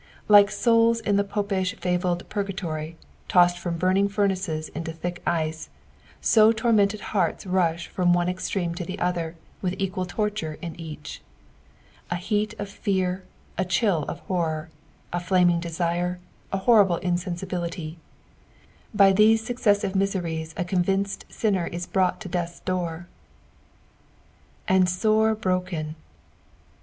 Like soulB id the Popish fabled Purgatory, tossed from burning furnaces into thick ice, so tormented hearts rush from one extreme to the other, with e<}ua] torture in each. A heat of fear, a chill of horror, a flaming desire, a homble insensibility — by thepe successive miBeiieH a convinced Binner is brought to death's door. "And wre broken.